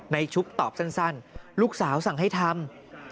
ชุบตอบสั้นลูกสาวสั่งให้ทำ